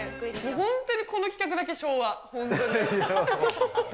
本当にこの企画だけ昭和、本当に。